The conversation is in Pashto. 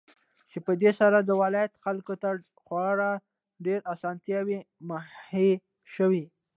چې په دې سره د ولايت خلكو ته خورا ډېرې اسانتياوې مهيا شوې.